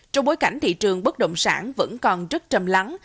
trong bối cảnh thị trường bất động sản vẫn còn rất trầm lắng